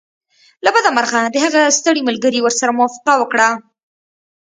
له بده مرغه د هغه ستړي ملګري ورسره موافقه وکړه